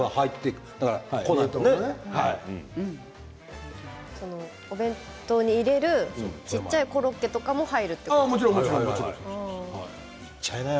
お弁当とか入ってくるとお弁当に入れる小さいコロッケとかも入るということですよね。